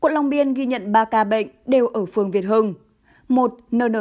quận long biên ghi nhận ba ca bệnh đều ở phương văn miếu